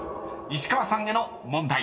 石川さんへの問題］